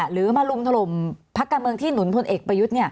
หรือมาลุมถล่มพักการเมืองที่หนุนพลเอกประยุทธ์